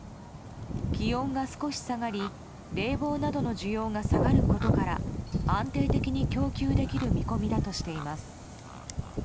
気温が少し下がり冷房などの需要が下がることから安定的に供給できる見込みだとしています。